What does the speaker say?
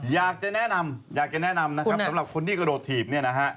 อยากจะแนะนำอยากจะแนะนำนะครับสำหรับคนที่กระโดดถีบเนี่ยนะฮะ